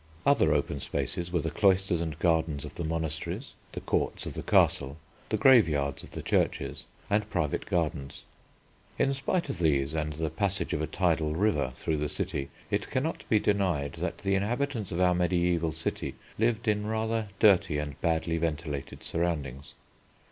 Other open spaces were the cloisters and gardens of the monasteries, the courts of the Castle, the graveyards of the churches, and private gardens. In spite of these and the passage of a tidal river through the city, it cannot be denied that the inhabitants of our mediæval city lived in rather dirty and badly ventilated surroundings.